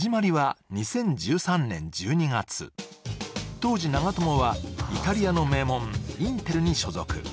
当時長友はイタリアの名門・インテルに所属。